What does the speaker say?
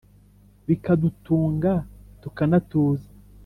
Bikadutunga tukanatuza